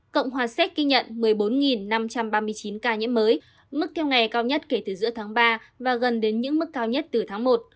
cộng hòa séc ghi nhận một mươi bốn năm trăm ba mươi chín ca nhiễm mới mức theo ngày cao nhất kể từ giữa tháng ba và gần đến những mức cao nhất từ tháng một